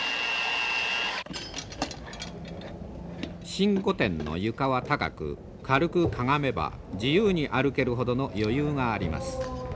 新御殿の床は高く軽くかがめば自由に歩けるほどの余裕があります。